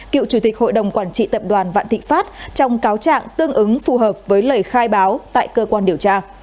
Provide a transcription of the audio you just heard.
cựu chủ tịch hội đồng quản trị tập đoàn vạn thị pháp trong cáo trạng tương ứng phù hợp với lời khai báo tại cơ quan điều tra